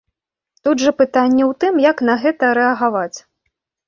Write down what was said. Тут жа пытанне ў тым, як на гэта рэагаваць.